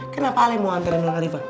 kenapa ali mau hantar nona riva